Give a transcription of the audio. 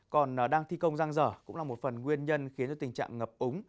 còn đang thi công răng rở cũng là một phần nguyên nhân khiến tình trạng ngập ống